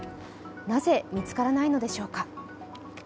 なぜ、見つからないのでしょうか。